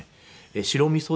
白みそで。